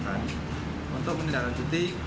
untuk menindahkan titik hal tersebut